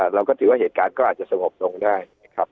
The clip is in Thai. เราก็ถือว่าเหตุการณ์ก็อาจจะสงบลงได้นะครับ